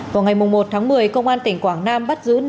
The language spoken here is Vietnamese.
vào ngày một tháng một mươi công an tỉnh quảng nam bắt giữ